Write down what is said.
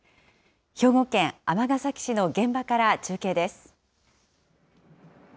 兵庫県尼崎市の現場から中継です。